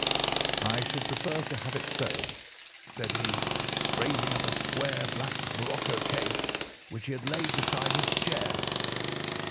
"'I should much prefer to have it so,' said he, raising up a square, black morocco case which he had laid beside his chair.